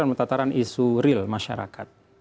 dalam tataran isu real masyarakat